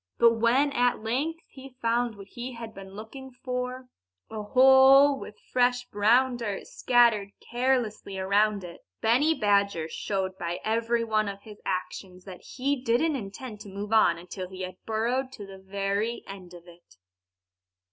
But when at length he found what he had been looking for a hole with fresh brown dirt scattered carelessly around it Benny Badger showed by every one of his actions that he didn't intend to move on until he had burrowed to the very end of it.